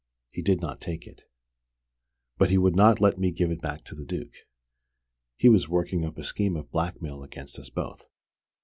He did not take it. But he would not let me give it back to the Duke. He was working up a scheme of blackmail against us both.